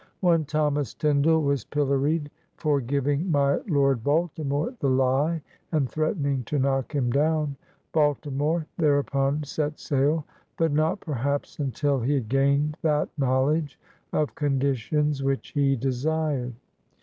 One Thomas Tindall was pilloried for "giving my lord Baltimore the lie and threatening to knock him down." Balti more thereupon set sail, but not, perhaps, until he had gained that knowledge of conditions which he desired.